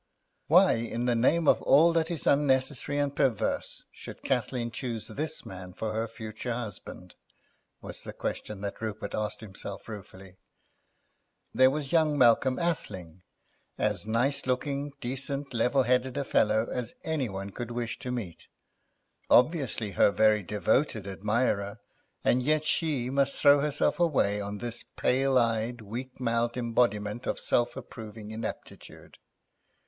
"Why in the name of all that is unnecessary and perverse should Kathleen choose this man for her future husband?" was the question that Rupert asked himself ruefully. There was young Malcolm Athling, as nice looking, decent, level headed a fellow as any one could wish to meet, obviously her very devoted admirer, and yet she must throw herself away on this pale eyed, weak mouthed embodiment of self approving ineptitude.